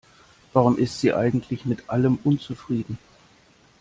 Warum ist sie eigentlich mit allem unzufrieden?